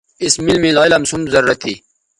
اس میل میل علم سو ضرورت تھی